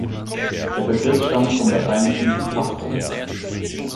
Der Begriff stammt vom lateinischen "Castrum".